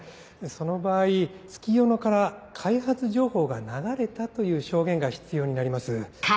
その場合月夜野から開発情報が流れたという証言が必要になります。